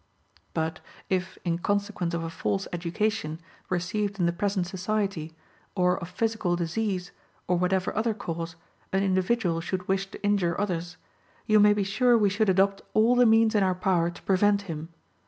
But if, in consequence of a false education, received in the present society, or of physical disease, or whatever other cause, an individual should wish to injure others, you may be sure we should adopt all the means in our power to prevent him.